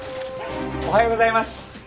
おはようございます！